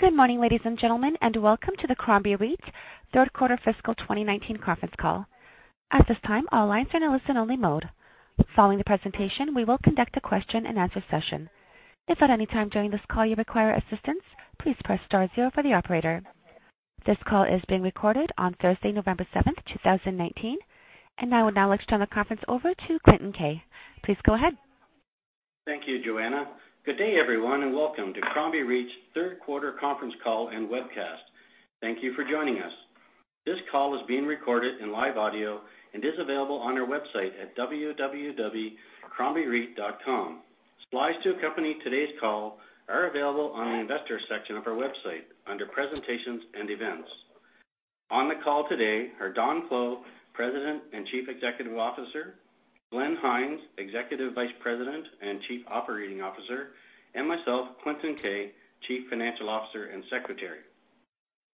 Good morning, ladies and gentlemen, welcome to the Crombie REIT third quarter fiscal 2019 conference call. At this time, all lines are in a listen-only mode. Following the presentation, we will conduct a question-and-answer session. If at any time during this call you require assistance, please press star zero for the operator. This call is being recorded on Thursday, November 7, 2019. I would now like to turn the conference over to Clinton Keay. Please go ahead. Thank you, Joanna. Good day, everyone, and welcome to Crombie REIT's third quarter conference call and webcast. Thank you for joining us. This call is being recorded in live audio and is available on our website at www.crombiereit.com. Slides to accompany today's call are available on the investor section of our website, under presentations and events. On the call today are Don Clow, President and Chief Executive Officer, Glenn Hynes, Executive Vice President and Chief Operating Officer, and myself, Clinton Keay, Chief Financial Officer and Secretary.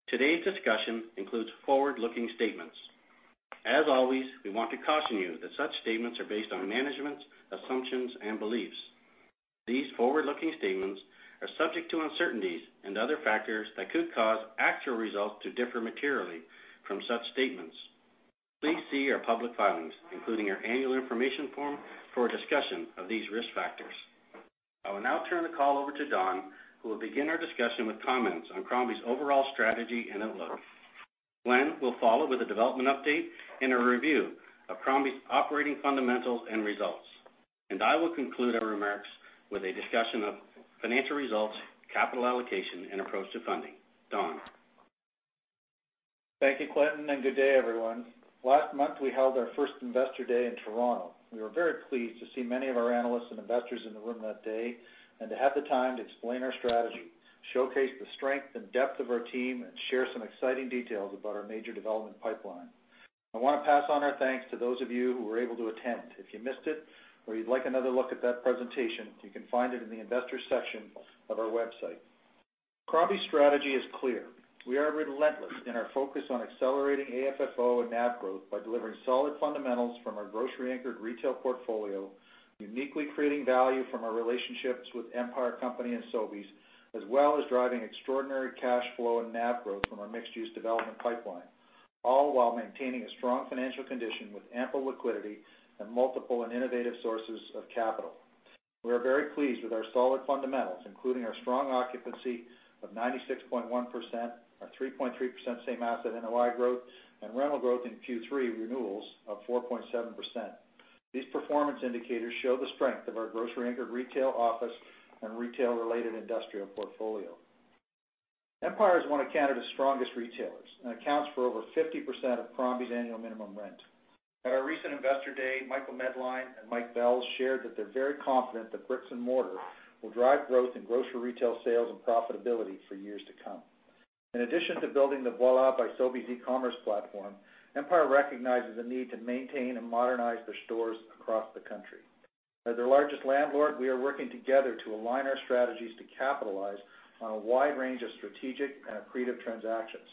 Today's discussion includes forward-looking statements. As always, we want to caution you that such statements are based on management's assumptions and beliefs. These forward-looking statements are subject to uncertainties and other factors that could cause actual results to differ materially from such statements. Please see our public filings, including our annual information form, for a discussion of these risk factors. I will now turn the call over to Don, who will begin our discussion with comments on Crombie's overall strategy and outlook. Glenn will follow with a development update and a review of Crombie's operating fundamentals and results. I will conclude our remarks with a discussion of financial results, capital allocation, and approach to funding. Don? Thank you, Clinton, and good day, everyone. Last month, we held our first investor day in Toronto. We were very pleased to see many of our analysts and investors in the room that day, and to have the time to explain our strategy, showcase the strength and depth of our team, and share some exciting details about our major development pipeline. I want to pass on our thanks to those of you who were able to attend. If you missed it, or you'd like another look at that presentation, you can find it in the investor section of our website. Crombie's strategy is clear. We are relentless in our focus on accelerating AFFO and NAV growth by delivering solid fundamentals from our grocery-anchored retail portfolio, uniquely creating value from our relationships with Empire Company and Sobeys, as well as driving extraordinary cash flow and NAV growth from our mixed-use development pipeline. All while maintaining a strong financial condition with ample liquidity and multiple and innovative sources of capital. We are very pleased with our solid fundamentals, including our strong occupancy of 96.1%, our 3.3% same asset NOI growth, and rental growth in Q3 renewals of 4.7%. These performance indicators show the strength of our grocery-anchored retail office and retail-related industrial portfolio. Empire is one of Canada's strongest retailers and accounts for over 50% of Crombie's annual minimum rent. At our recent investor day, Michael Medline and Mike Vels shared that they're very confident that bricks and mortar will drive growth in grocery retail sales and profitability for years to come. In addition to building the Voilà by Sobeys e-commerce platform, Empire recognizes the need to maintain and modernize their stores across the country. As their largest landlord, we are working together to align our strategies to capitalize on a wide range of strategic and accretive transactions.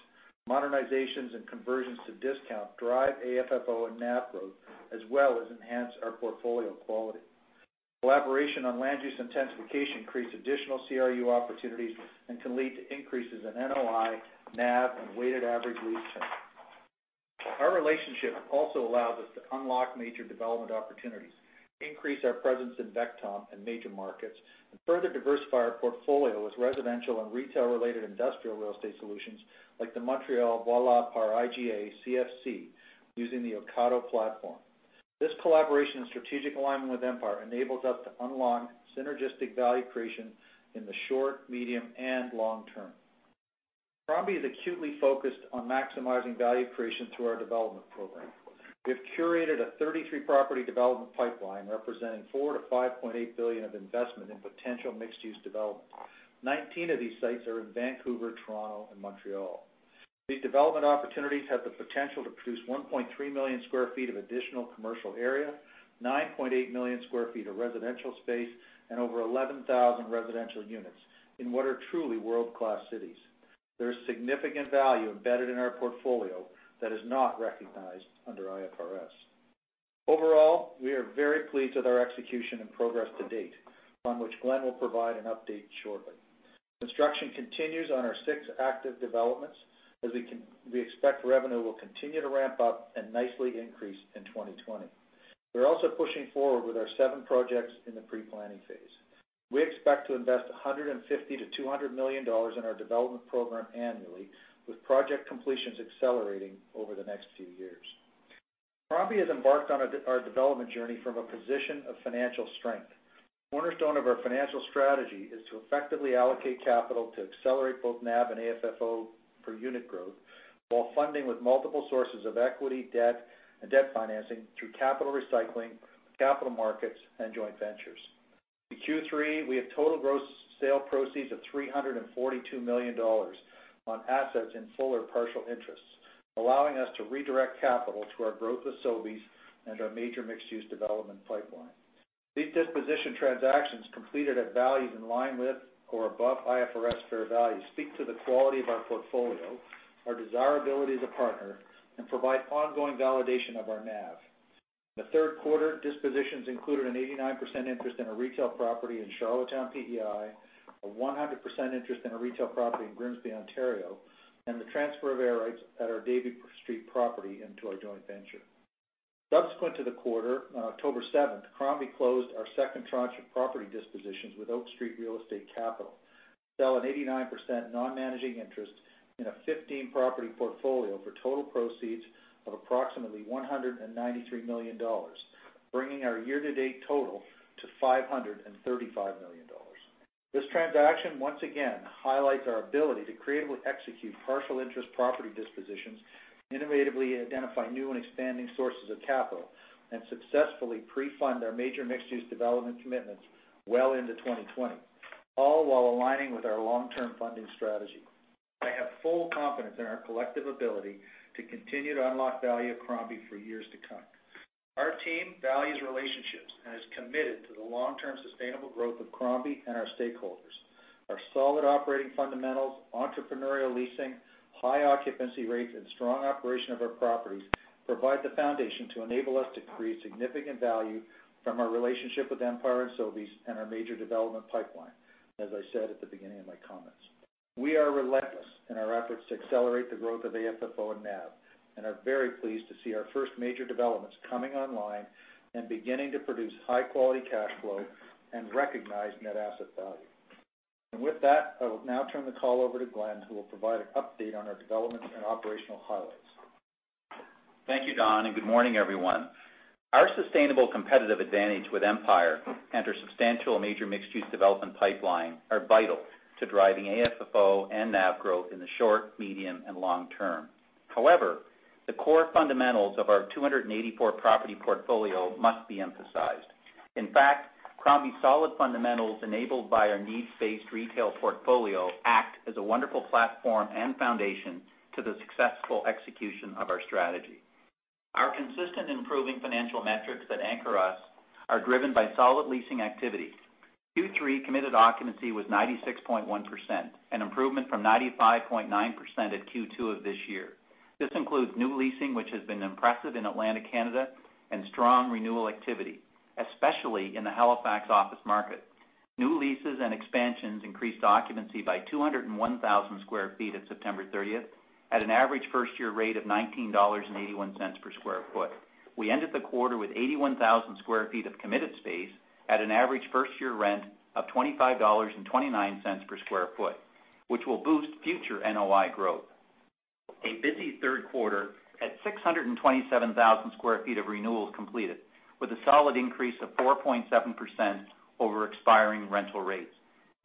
Modernizations and conversions to discount drive AFFO and NAV growth, as well as enhance our portfolio quality. Collaboration on land use intensification creates additional CRU opportunities and can lead to increases in NOI, NAV, and weighted average lease terms. Our relationship also allows us to unlock major development opportunities, increase our presence in VECTOM and major markets, and further diversify our portfolio as residential and retail-related industrial real estate solutions like the Montreal Voilà par IGA CFC using the Ocado platform. This collaboration and strategic alignment with Empire enables us to unlock synergistic value creation in the short, medium, and long term. Crombie is acutely focused on maximizing value creation through our development program. We have curated a 33-property development pipeline representing 4 billion-5.8 billion of investment in potential mixed-use developments. 19 of these sites are in Vancouver, Toronto, and Montreal. These development opportunities have the potential to produce 1.3 million sq ft of additional commercial area, 9.8 million sq ft of residential space, and over 11,000 residential units in what are truly world-class cities. There is significant value embedded in our portfolio that is not recognized under IFRS. Overall, we are very pleased with our execution and progress to date, on which Glenn will provide an update shortly. Construction continues on our six active developments, as we expect revenue will continue to ramp up and nicely increase in 2020. We are also pushing forward with our seven projects in the pre-planning phase. We expect to invest 150 million-200 million dollars in our development program annually, with project completions accelerating over the next few years. Crombie has embarked on our development journey from a position of financial strength. Cornerstone of our financial strategy is to effectively allocate capital to accelerate both NAV and AFFO per unit growth, while funding with multiple sources of equity, debt, and debt financing through capital recycling, capital markets, and joint ventures. In Q3, we have total gross sale proceeds of 342 million dollars on assets in full or partial interests, allowing us to redirect capital to our growth with Sobeys and our major mixed-use development pipeline. These disposition transactions completed at values in line with or above IFRS fair value speak to the quality of our portfolio, our desirability as a partner, and provide ongoing validation of our NAV. The third quarter dispositions included an 89% interest in a retail property in Charlottetown, PEI, a 100% interest in a retail property in Grimsby, Ontario, and the transfer of air rights at our Davie Street property into our joint venture. Subsequent to the quarter, on October 7th, Crombie closed our second tranche of property dispositions with Oak Street Real Estate Capital, selling 89% non-managing interest in a 15-property portfolio for total proceeds of approximately 193 million dollars, bringing our year-to-date total to 535 million dollars. This transaction once again highlights our ability to creatively execute partial interest property dispositions, innovatively identify new and expanding sources of capital, and successfully pre-fund our major mixed-use development commitments well into 2020, all while aligning with our long-term funding strategy. I have full confidence in our collective ability to continue to unlock value at Crombie for years to come. Our team values relationships and is committed to the long-term sustainable growth of Crombie and our stakeholders. Our solid operating fundamentals, entrepreneurial leasing, high occupancy rates, and strong operation of our properties provide the foundation to enable us to create significant value from our relationship with Empire and Sobeys and our major development pipeline, as I said at the beginning of my comments. We are relentless in our efforts to accelerate the growth of AFFO and NAV and are very pleased to see our first major developments coming online and beginning to produce high-quality cash flow and recognize net asset value. With that, I will now turn the call over to Glenn, who will provide an update on our development and operational highlights. Thank you, Don, and good morning, everyone. Our sustainable competitive advantage with Empire and our substantial major mixed-use development pipeline are vital to driving AFFO and NAV growth in the short, medium, and long term. However, the core fundamentals of our 284-property portfolio must be emphasized. In fact, Crombie's solid fundamentals, enabled by our needs-based retail portfolio, act as a wonderful platform and foundation to the successful execution of our strategy. Our consistent improving financial metrics that anchor us are driven by solid leasing activity. Q3 committed occupancy was 96.1%, an improvement from 95.9% at Q2 of this year. This includes new leasing, which has been impressive in Atlantic Canada, and strong renewal activity, especially in the Halifax office market. New leases and expansions increased occupancy by 201,000 sq ft at September 30th at an average first-year rate of 19.81 dollars per sq ft. We ended the quarter with 81,000 square feet of committed space at an average first-year rent of 25.29 dollars per square foot, which will boost future NOI growth. A busy third quarter had 627,000 square feet of renewals completed with a solid increase of 4.7% over expiring rental rates.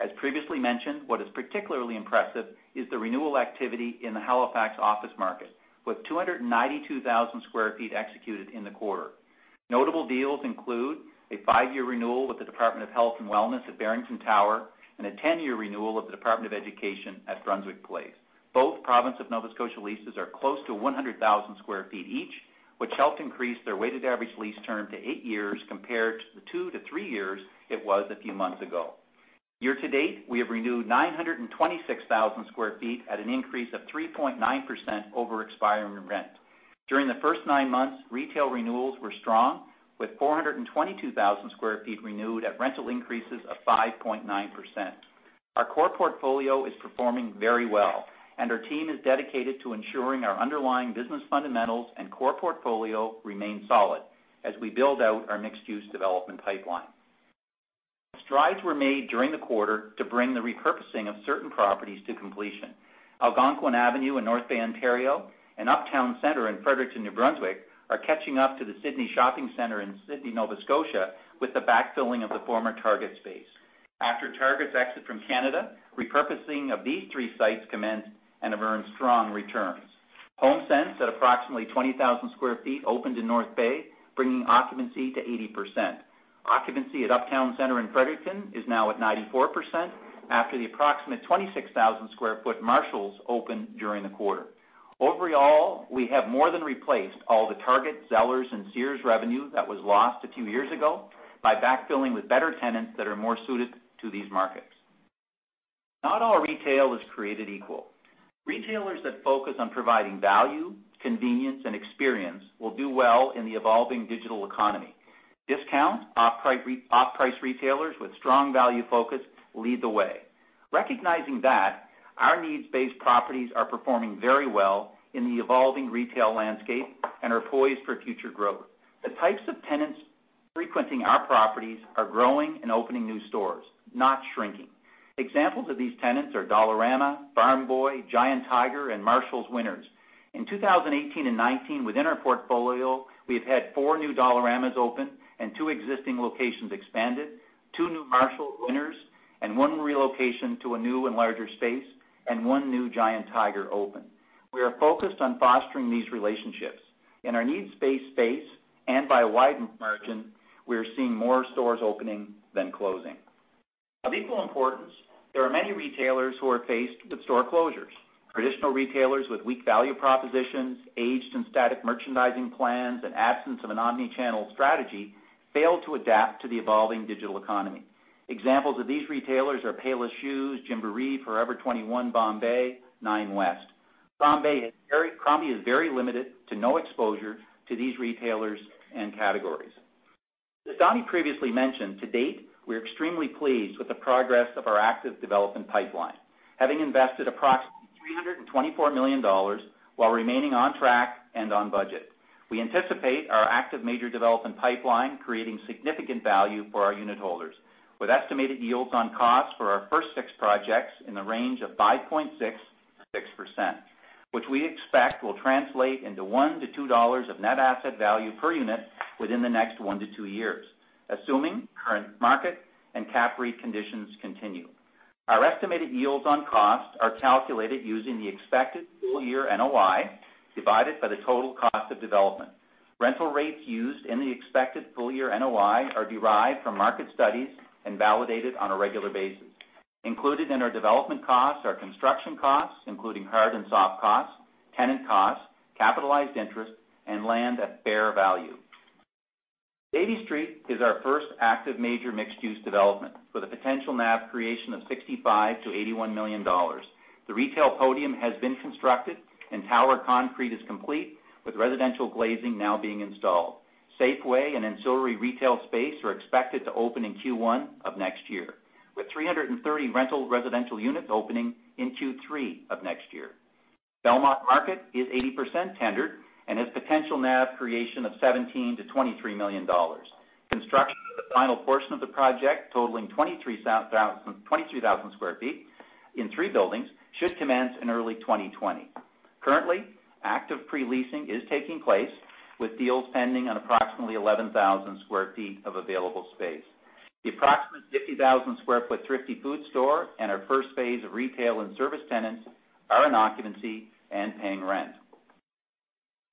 As previously mentioned, what is particularly impressive is the renewal activity in the Halifax office market, with 292,000 square feet executed in the quarter. Notable deals include a five-year renewal with the Department of Health and Wellness at Barrington Tower and a 10-year renewal of the Department of Education at Brunswick Place. Both province of Nova Scotia leases are close to 100,000 square feet each, which helped increase their weighted average lease term to eight years compared to the two to three years it was a few months ago. Year-to-date, we have renewed 926,000 sq ft at an increase of 3.9% over expiring rent. During the first nine months, retail renewals were strong, with 422,000 sq ft renewed at rental increases of 5.9%. Our core portfolio is performing very well and our team is dedicated to ensuring our underlying business fundamentals and core portfolio remain solid as we build out our mixed-use development pipeline. Strides were made during the quarter to bring the repurposing of certain properties to completion. Algonquin Avenue in North Bay, Ontario, and Uptown Center in Fredericton, New Brunswick, are catching up to the Sydney Shopping Centre in Sydney, Nova Scotia, with the backfilling of the former Target space. After Target's exit from Canada, repurposing of these three sites commenced and have earned strong returns. HomeSense, at approximately 20,000 sq ft, opened in North Bay, bringing occupancy to 80%. Occupancy at Uptown Centre in Fredericton is now at 94% after the approximate 26,000 sq ft Marshalls opened during the quarter. Overall, we have more than replaced all the Target, Zellers, and Sears revenue that was lost a few years ago by backfilling with better tenants that are more suited to these markets. Not all retail is created equal. Retailers that focus on providing value, convenience, and experience will do well in the evolving digital economy. Discount off-price retailers with strong value focus lead the way. Recognizing that, our needs-based properties are performing very well in the evolving retail landscape and are poised for future growth. The types of tenants frequenting our properties are growing and opening new stores, not shrinking. Examples of these tenants are Dollarama, Farm Boy, Giant Tiger, and Marshalls/Winners. In 2018 and 2019, within our portfolio, we have had four new Dollarama open and two existing locations expanded, two new Marshalls/Winners and one relocation to a new and larger space, and one new Giant Tiger open. We are focused on fostering these relationships. In our needs-based space, and by a wide margin, we are seeing more stores opening than closing. Of equal importance, there are many retailers who are faced with store closures. Traditional retailers with weak value propositions, aged and static merchandising plans, and absence of an omni-channel strategy failed to adapt to the evolving digital economy. Examples of these retailers are Payless Shoes, Gymboree, Forever 21, Bombay, Nine West. Crombie is very limited to no exposure to these retailers and categories. As Don previously mentioned, to date, we're extremely pleased with the progress of our active development pipeline, having invested approximately 324 million dollars while remaining on track and on budget. We anticipate our active major development pipeline creating significant value for our unit holders, with estimated yields on cost for our first six projects in the range of 5.6%-6%, which we expect will translate into 1 to 2 dollars of net asset value per unit within the next one to two years, assuming current market and cap rate conditions continue. Our estimated yields on costs are calculated using the expected full-year NOI divided by the total cost of development. Rental rates used in the expected full-year NOI are derived from market studies and validated on a regular basis. Included in our development costs are construction costs, including hard and soft costs, tenant costs, capitalized interest, and land at fair value. Beatty Street is our first active major mixed-use development with a potential NAV creation of 65 million-81 million dollars. The retail podium has been constructed, and tower concrete is complete, with residential glazing now being installed. Safeway and ancillary retail space are expected to open in Q1 of next year, with 330 rental residential units opening in Q3 of next year. Belmont Market is 80% tendered and has potential NAV creation of 17 million-23 million dollars. Construction of the final portion of the project, totaling 23,000 sq ft in three buildings, should commence in early 2020. Currently, active pre-leasing is taking place, with deals pending on approximately 11,000 sq ft of available space. The approximate 50,000 sq ft Thrifty Foods store and our first phase of retail and service tenants are in occupancy and paying rent.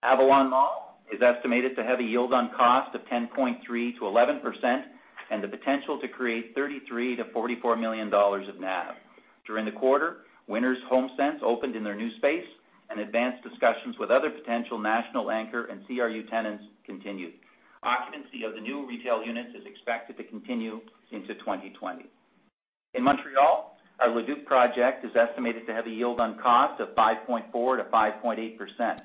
Avalon Mall is estimated to have a yield on cost of 10.3%-11% and the potential to create 33 million to 44 million dollars of NAV. During the quarter, Winners HomeSense opened in their new space. Advanced discussions with other potential national anchor and CRU tenants continued. Occupancy of the new retail units is expected to continue into 2020. In Montreal, our Le Duke project is estimated to have a yield on cost of 5.4%-5.8%.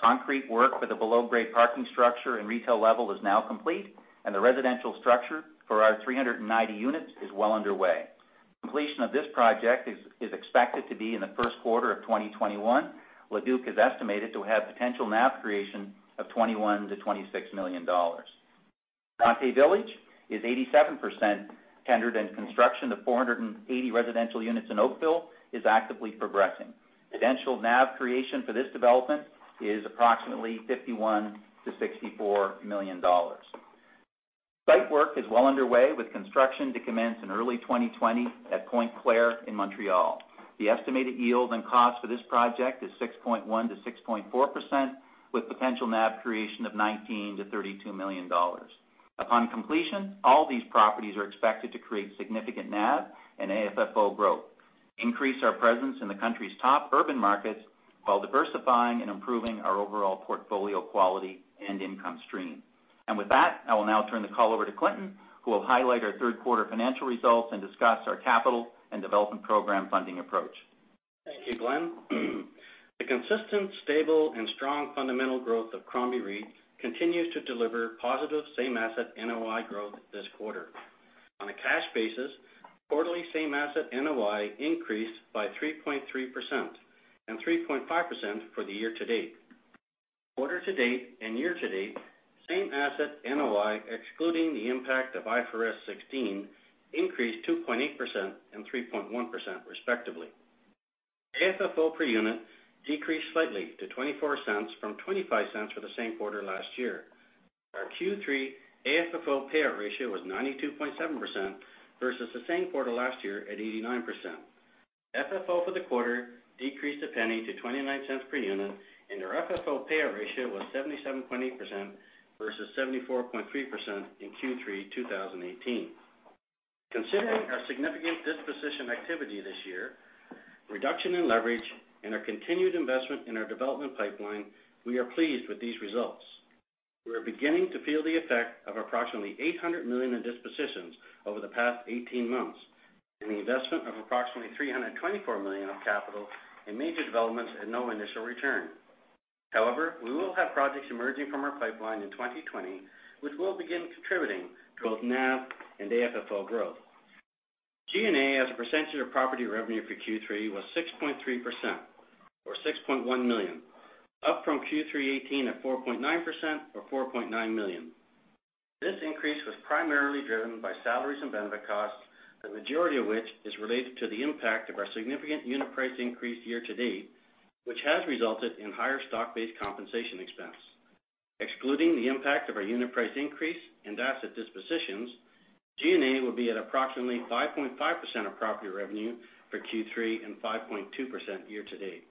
Concrete work for the below-grade parking structure and retail level is now complete. The residential structure for our 390 units is well underway. Completion of this project is expected to be in the first quarter of 2021. Le Duke is estimated to have potential NAV creation of 21 million to 26 million dollars. Bronte Village is 87% tendered. Construction of 480 residential units in Oakville is actively progressing. Potential NAV creation for this development is approximately 51 million-64 million dollars. Site work is well underway, with construction to commence in early 2020 at Pointe-Claire in Montreal. The estimated yield on cost for this project is 6.1%-6.4%, with potential NAV creation of 19 million-32 million dollars. Upon completion, all these properties are expected to create significant NAV and AFFO growth, increase our presence in the country's top urban markets, while diversifying and improving our overall portfolio quality and income stream. With that, I will now turn the call over to Clinton, who will highlight our third quarter financial results and discuss our capital and development program funding approach. Thank you, Glenn. The consistent, stable, and strong fundamental growth of Crombie REIT continues to deliver positive same asset NOI growth this quarter. On a cash basis, quarterly same asset NOI increased by 3.3% and 3.5% for the year-to-date. Quarter-to-date and year-to-date, same asset NOI, excluding the impact of IFRS 16, increased 2.8% and 3.1% respectively. AFFO per unit decreased slightly to 0.24 from 0.25 for the same quarter last year. Our Q3 AFFO payout ratio was 92.7% versus the same quarter last year at 89%. FFO for the quarter decreased CAD 0.01 to 0.29 per unit, and our FFO payout ratio was 77.8% versus 74.3% in Q3 2018. Considering our significant disposition activity this year, reduction in leverage, and our continued investment in our development pipeline, we are pleased with these results. We are beginning to feel the effect of approximately 800 million in dispositions over the past 18 months and the investment of approximately 324 million of capital in major developments at no initial return. However, we will have projects emerging from our pipeline in 2020, which will begin contributing to both NAV and AFFO growth. G&A as a percentage of property revenue for Q3 was 6.3%, or 6.1 million, up from Q3 '18 at 4.9%, or 4.9 million. This increase was primarily driven by salaries and benefit costs, the majority of which is related to the impact of our significant unit price increase year to date, which has resulted in higher stock-based compensation expense. Excluding the impact of our unit price increase and asset dispositions, G&A would be at approximately 5.5% of property revenue for Q3 and 5.2% year to date.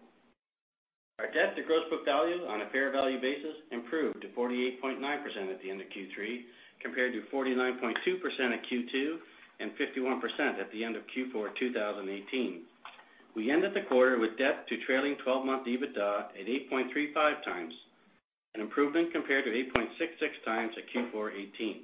Our debt to gross book value on a fair value basis improved to 48.9% at the end of Q3, compared to 49.2% at Q2 and 51% at the end of Q4 2018. We ended the quarter with debt to trailing 12-month EBITDA at 8.35 times, an improvement compared to 8.66 times at Q4 2018.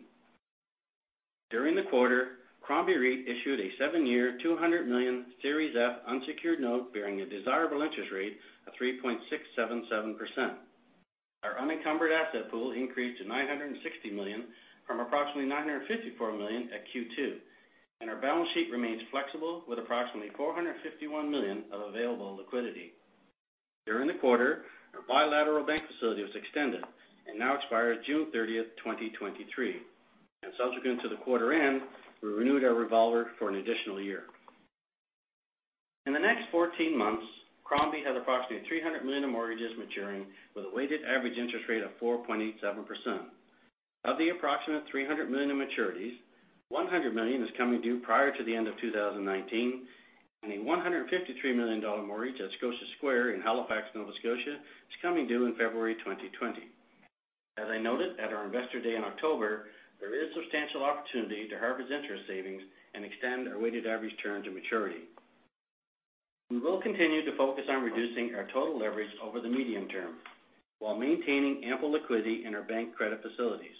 During the quarter, Crombie REIT issued a seven-year, 200 million Series F unsecured note bearing a desirable interest rate of 3.677%. Our unencumbered asset pool increased to 960 million from approximately 954 million at Q2, and our balance sheet remains flexible with approximately 451 million of available liquidity. During the quarter, our bilateral bank facility was extended and now expires June 30th, 2023. Subsequent to the quarter end, we renewed our revolver for an additional year. In the next 14 months, Crombie has approximately 300 million of mortgages maturing with a weighted average interest rate of 4.87%. Of the approximate 300 million in maturities, 100 million is coming due prior to the end of 2019, and a 153 million dollar mortgage at Scotia Square in Halifax, Nova Scotia, is coming due in February 2020. As I noted at our investor day in October, there is substantial opportunity to harvest interest savings and extend our weighted average term to maturity. We will continue to focus on reducing our total leverage over the medium term while maintaining ample liquidity in our bank credit facilities.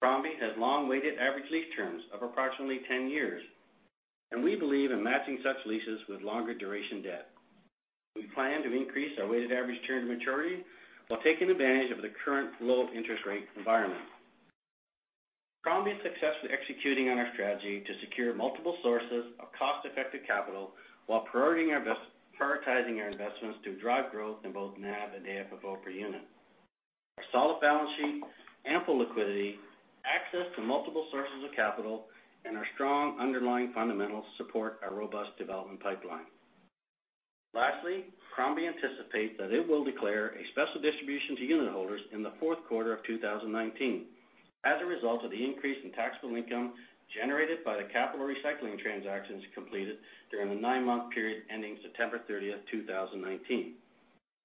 Crombie has long weighted average lease terms of approximately 10 years, and we believe in matching such leases with longer duration debt. We plan to increase our weighted average term to maturity while taking advantage of the current low-interest-rate environment. Crombie is successfully executing on our strategy to secure multiple sources of cost-effective capital while prioritizing our investments to drive growth in both NAV and AFFO per unit. Our solid balance sheet, ample liquidity, access to multiple sources of capital, and our strong underlying fundamentals support our robust development pipeline. Lastly, Crombie anticipates that it will declare a special distribution to unitholders in the fourth quarter of 2019 as a result of the increase in taxable income generated by the capital recycling transactions completed during the nine-month period ending September 30th, 2019,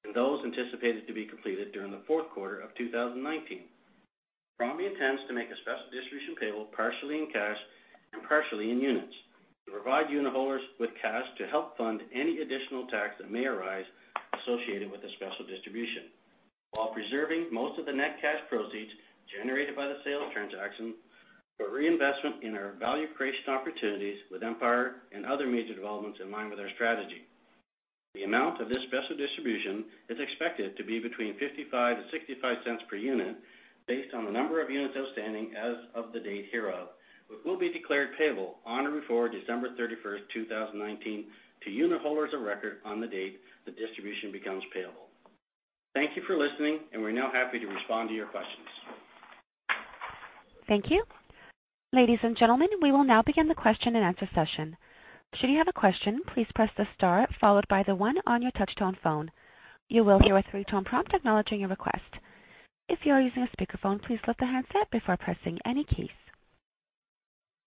and those anticipated to be completed during the fourth quarter of 2019. Crombie intends to make a special distribution payable partially in cash and partially in units to provide unitholders with cash to help fund any additional tax that may arise associated with the special distribution while preserving most of the net cash proceeds generated by the sale transaction for reinvestment in our value creation opportunities with Empire and other major developments in line with our strategy. The amount of this special distribution is expected to be between 0.55-0.65 per unit based on the number of units outstanding as of the date hereof, which will be declared payable on or before December 31st, 2019, to unitholders of record on the date the distribution becomes payable. Thank you for listening, and we're now happy to respond to your questions. Thank you. Ladies and gentlemen, we will now begin the question-and-answer session. Should you have a question, please press the star followed by the one on your touch-tone phone. You will hear a three-tone prompt acknowledging your request. If you are using a speakerphone, please lift the handset before pressing any key.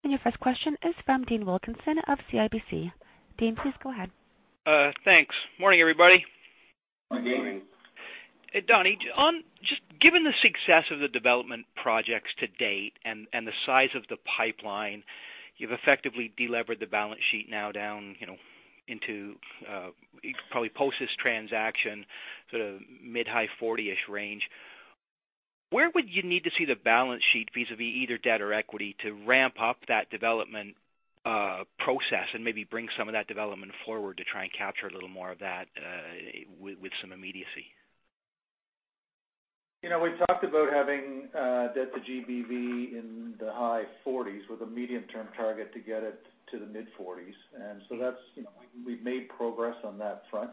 Your first question is from Dean Wilkinson of CIBC. Dean, please go ahead. Thanks. Morning, everybody. Morning. Don, just given the success of the development projects to date and the size of the pipeline, you've effectively delevered the balance sheet now down into, probably post this transaction, sort of mid high 40-ish range. Where would you need to see the balance sheet vis-à-vis either debt or equity to ramp up that development process and maybe bring some of that development forward to try and capture a little more of that with some immediacy? We've talked about having debt-to-GBV in the high 40s with a medium-term target to get it to the mid-40s. We've made progress on that front.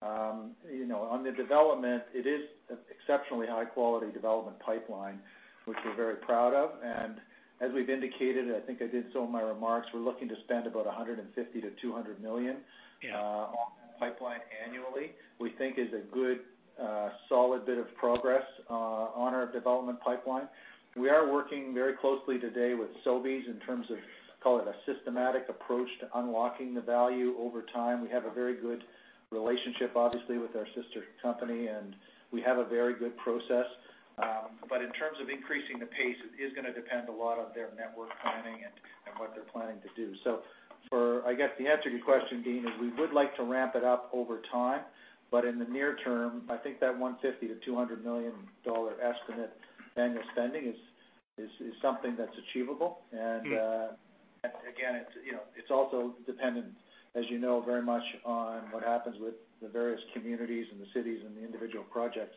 On the development, it is an exceptionally high-quality development pipeline, which we're very proud of. As we've indicated, I think I did so in my remarks, we're looking to spend about 150 million-200 million- Yeah on that pipeline annually. We think is a good, solid bit of progress on our development pipeline. We are working very closely today with Sobeys in terms of, call it a systematic approach to unlocking the value over time. We have a very good relationship, obviously, with our sister company, and we have a very good process. In terms of increasing the pace, it is going to depend a lot on their network planning and what they're planning to do. I guess the answer to your question, Dean, is we would like to ramp it up over time. In the near term, I think that 150 million-200 million dollar estimate annual spending is something that's achievable. Again, it's also dependent, as you know, very much on what happens with the various communities and the cities and the individual projects.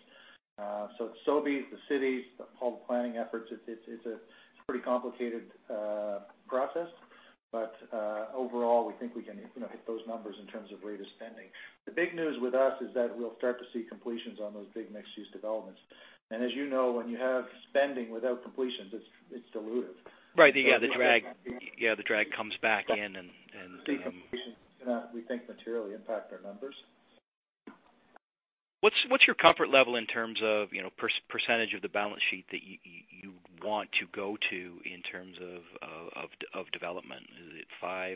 It's Sobeys, the cities, all the planning efforts. It's a pretty complicated process. Overall, we think we can hit those numbers in terms of rate of spending. The big news with us is that we'll start to see completions on those big mixed-use developments. As you know, when you have spending without completions, it's dilutive. Right. Yeah, the drag comes back in. Delays in completions do not, we think, materially impact our numbers. What's your comfort level in terms of percentage of the balance sheet that you want to go to in terms of development? Is it 5%, 10%,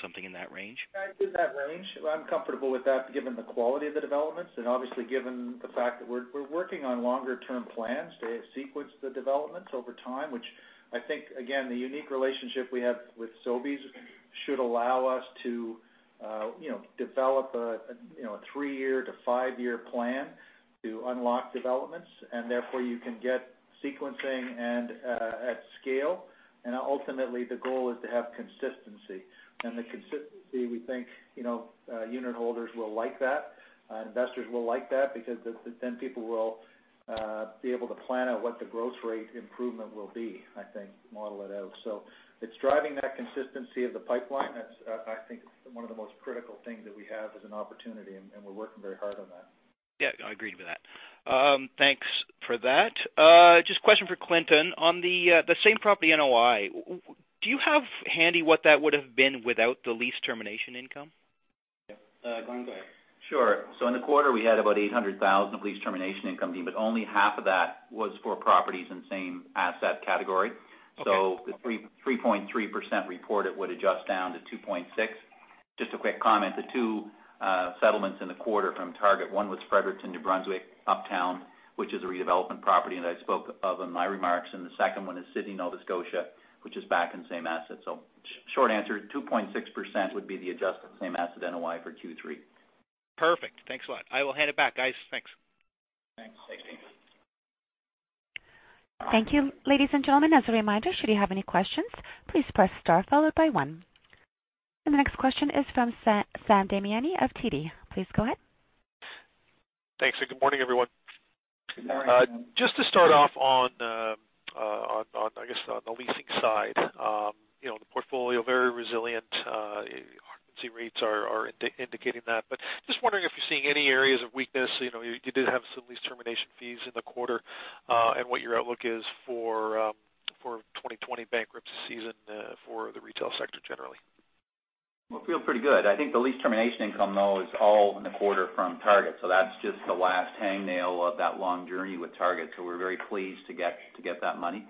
something in that range? In that range. I'm comfortable with that given the quality of the developments and obviously given the fact that we're working on longer-term plans to sequence the developments over time, which I think, again, the unique relationship we have with Sobeys. Should allow us to develop a three-year to five-year plan to unlock developments, therefore you can get sequencing and at scale. Ultimately, the goal is to have consistency. The consistency we think, unitholders will like that. Investors will like that because then people will be able to plan out what the growth rate improvement will be, I think, model it out. It's driving that consistency of the pipeline. That's, I think, one of the most critical things that we have as an opportunity, and we're working very hard on that. Yeah, I agree with that. Thanks for that. Just a question for Clinton. On the same asset NOI, do you have handy what that would've been without the lease termination income? Yeah. Glenn, go ahead. Sure. In the quarter, we had about 800,000 of lease termination income, but only half of that was for properties in same asset category. Okay. The 3.3% reported would adjust down to 2.6%. Just a quick comment. The two settlements in the quarter from Target, one was Fredericton, New Brunswick, Uptown, which is a redevelopment property, and I spoke of in my remarks. The second one is Sydney, Nova Scotia, which is back in the same-asset. Short answer, 2.6% would be the adjusted same-asset NOI for Q3. Perfect. Thanks a lot. I will hand it back, guys. Thanks. Thanks. Thanks. Thank you. Ladies and gentlemen, as a reminder, should you have any questions, please press star followed by one. The next question is from Sam Damiani of TD. Please go ahead. Thanks. Good morning, everyone. Good morning. Just to start off on, I guess, on the leasing side. The portfolio, very resilient, occupancy rates are indicating that. Just wondering if you're seeing any areas of weakness. You did have some lease termination fees in the quarter, and what your outlook is for 2020 bankruptcy season, for the retail sector generally. Well, feel pretty good. I think the lease termination income, though, is all in the quarter from Target. That's just the last hangnail of that long journey with Target. We're very pleased to get that money.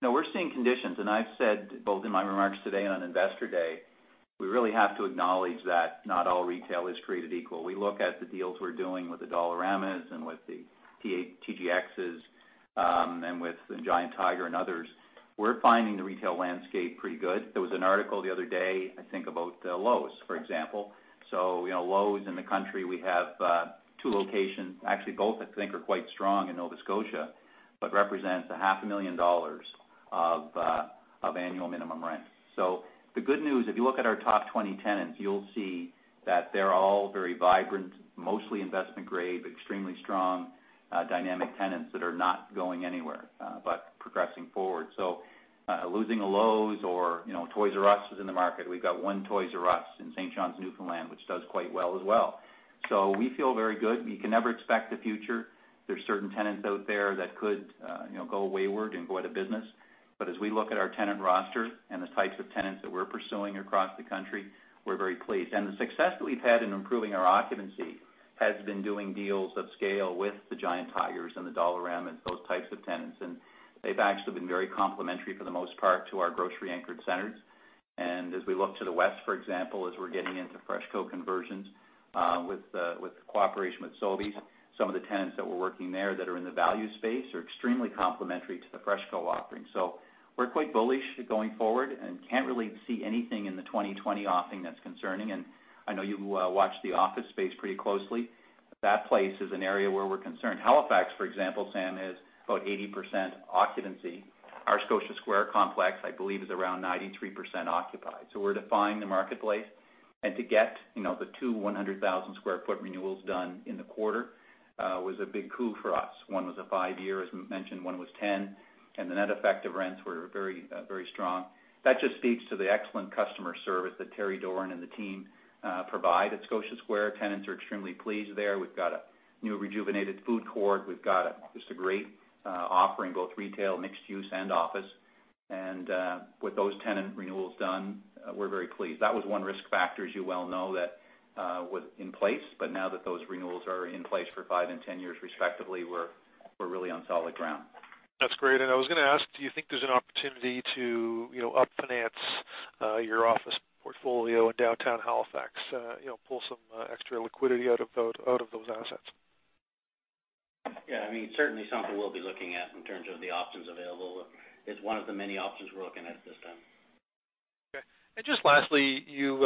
Now we're seeing conditions, and I've said both in my remarks today and on Investor Day, we really have to acknowledge that not all retail is created equal. We look at the deals we're doing with the Dollaramas and with the TJXs, and with the Giant Tiger and others. We're finding the retail landscape pretty good. There was an article the other day, I think about Lowe's, for example. Lowe's in the country, we have two locations, actually, both I think are quite strong in Nova Scotia, but represents 0.5 million dollars of annual minimum rent. The good news, if you look at our top 20 tenants, you'll see that they're all very vibrant, mostly investment-grade, extremely strong, dynamic tenants that are not going anywhere, but progressing forward. Losing a Lowe's or Toys Us was in the market. We've got one Toys Us in St. John's, Newfoundland, which does quite well as well. We feel very good. You can never expect the future. There's certain tenants out there that could go wayward and go out of business. As we look at our tenant roster and the types of tenants that we're pursuing across the country, we're very pleased. The success that we've had in improving our occupancy has been doing deals of scale with the Giant Tigers and the Dollarama and those types of tenants. They've actually been very complimentary for the most part to our grocery-anchored centers. As we look to the West, for example, as we're getting into FreshCo conversions, with cooperation with Sobeys, some of the tenants that we're working there that are in the value space are extremely complimentary to the FreshCo offering. We're quite bullish going forward and can't really see anything in the 2020 offing that's concerning. I know you watch the office space pretty closely. That place is an area where we're concerned. Halifax, for example, Sam, is about 80% occupancy. Our Scotia Square complex, I believe, is around 93% occupied. We're defining the marketplace. To get the two 100,000 square foot renewals done in the quarter, was a big coup for us. One was a five-year, as we mentioned, one was 10. The net effect of rents were very strong. That just speaks to the excellent customer service that Terry Doran and the team provide at Scotia Square. Tenants are extremely pleased there. We've got a new rejuvenated food court. We've got just a great offering, both retail, mixed use, and office. With those tenant renewals done, we're very pleased. That was one risk factor, as you well know, that was in place. Now that those renewals are in place for five and 10 years respectively, we're really on solid ground. That's great. I was going to ask, do you think there's an opportunity to up-finance your office portfolio in downtown Halifax, pull some extra liquidity out of those assets? Yeah. Certainly something we'll be looking at in terms of the options available. It's one of the many options we're looking at this time. Okay. Just lastly, you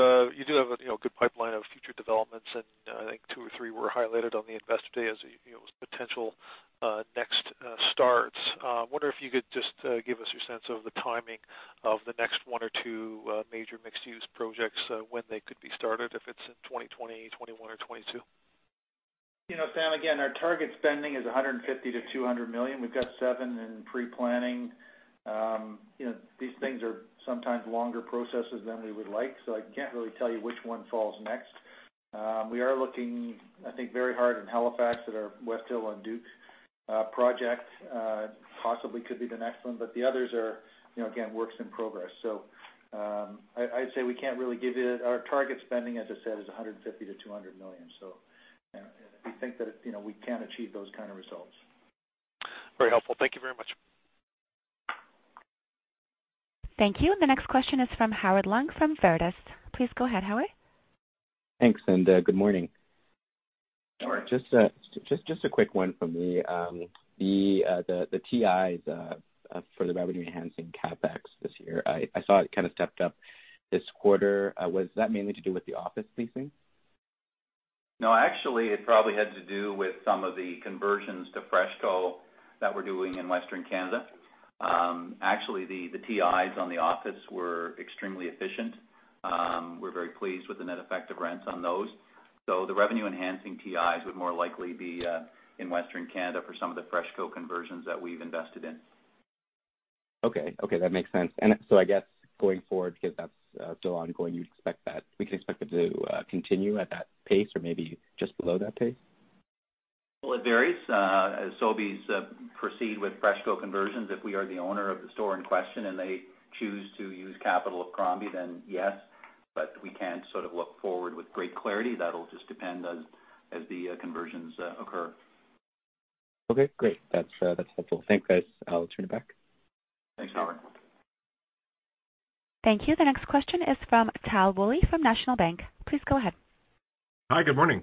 do have a good pipeline of future developments, and I think two or three were highlighted on the Investor Day as potential next starts. I wonder if you could just give us your sense of the timing of the next one or two major mixed-use projects, when they could be started, if it's in 2020, 2021, or 2022. Sam, again, our target spending is 150 million-200 million. We've got seven in pre-planning. These things are sometimes longer processes than we would like. I can't really tell you which one falls next. We are looking, I think, very hard in Halifax at our Westhill on Duke project. Possibly could be the next one. The others are, again, works in progress. Our target spending, as I said, is 150 million-200 million. We think that we can achieve those kind of results. Very helpful. Thank you very much. Thank you. The next question is from Howard Leung from Veritas. Please go ahead, Howard. Thanks, good morning. Just a quick one from me. The TIs for the revenue-enhancing CapEx this year, I saw it kind of stepped up this quarter. Was that mainly to do with the office leasing? No, actually, it probably had to do with some of the conversions to FreshCo that we're doing in Western Canada. Actually, the TIs on the office were extremely efficient. We're very pleased with the net effect of rents on those. The revenue enhancing TIs would more likely be in Western Canada for some of the FreshCo conversions that we've invested in. Okay. That makes sense. I guess going forward, because that's still ongoing, we can expect it to continue at that pace or maybe just below that pace? Well, it varies. As Sobeys proceed with FreshCo conversions, if we are the owner of the store in question and they choose to use capital of Crombie, then yes. We can't sort of look forward with great clarity. That'll just depend as the conversions occur. Okay, great. That's helpful. Thanks, guys. I'll turn it back. Thanks, Howard. Thank you. The next question is from Tal Woolley from National Bank. Please go ahead. Hi, good morning.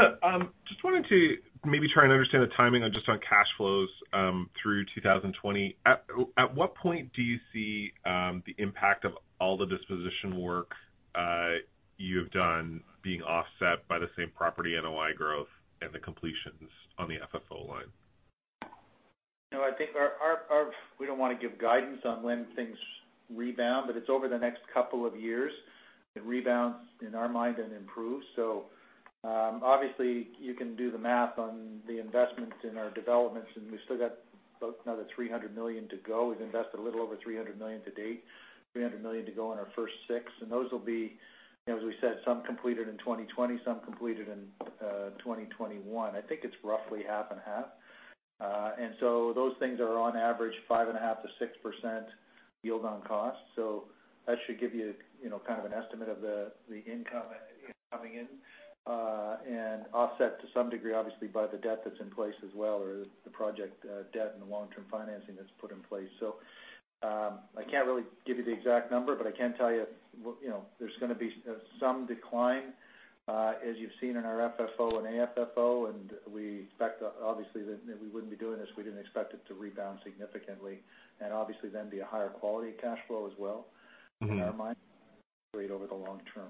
Hi, Tal. Just wanted to maybe try and understand the timing just on cash flows through 2020, at what point do you see the impact of all the disposition work you've done being offset by the same property NOI growth and the completions on the FFO line? I think we don't want to give guidance on when things rebound, but it's over the next couple of years, it rebounds in our mind and improves. Obviously you can do the math on the investments in our developments, and we've still got another 300 million to go. We've invested a little over 300 million to date, 300 million to go in our first six. Those will be, as we said, some completed in 2020, some completed in 2021. I think it's roughly half and half. Those things are on average five and a half to 6% yield on cost. That should give you an estimate of the income coming in, and offset to some degree, obviously, by the debt that's in place as well, or the project debt and the long-term financing that's put in place. I can't really give you the exact number, but I can tell you there's going to be some decline as you've seen in our FFO and AFFO. We expect, obviously, that we wouldn't be doing this if we didn't expect it to rebound significantly. Obviously then be a higher quality of cash flow as well. in our mind, great over the long term.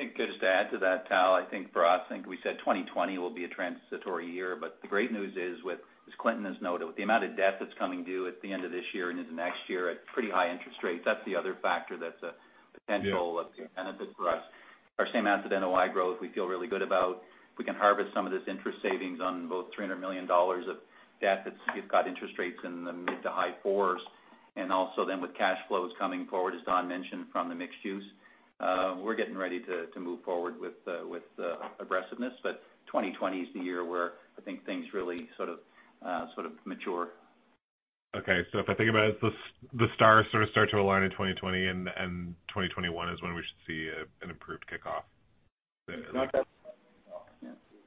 I think just to add to that, Tal, I think for us, I think we said 2020 will be a transitory year. The great news is with, as Clinton has noted, with the amount of debt that's coming due at the end of this year and into next year at pretty high interest rates, that's the other factor that's a potential benefit for us. Our same asset NOI growth, we feel really good about. We can harvest some of this interest savings on both 300 million dollars of debt that's got interest rates in the mid-to-high 4s. Also then with cash flows coming forward, as Don mentioned, from the mixed-use. We're getting ready to move forward with aggressiveness. 2020 is the year where I think things really sort of mature. Okay. If I think about it, the stars sort of start to align in 2020, and 2021 is when we should see an improved kickoff. Like that.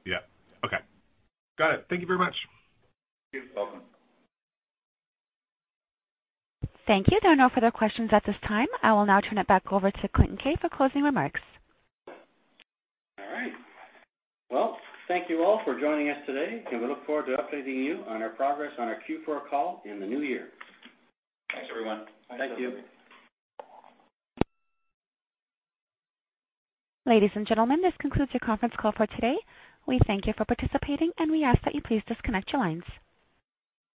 Yeah. Okay. Got it. Thank you very much. You're welcome. Thank you. There are no further questions at this time. I will now turn it back over to Clinton Keay for closing remarks. All right. Well, thank you all for joining us today, and we look forward to updating you on our progress on our Q4 call in the new year. Thanks, everyone. Thank you. Ladies and gentlemen, this concludes your conference call for today. We thank you for participating, and we ask that you please disconnect your lines.